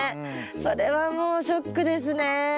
それはもうショックですね。